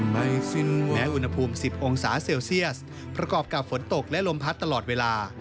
ไม่สิ้นแม้อุณหภูมิ๑๐องศาเซลเซียสประกอบกับฝนตกและลมพัดตลอดเวลา